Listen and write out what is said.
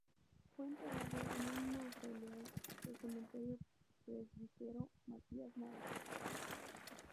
Fue enterrado en un mausoleo del Cementerio Presbítero Matías Maestro.